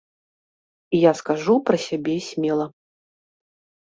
Я скажу пра сябе смела!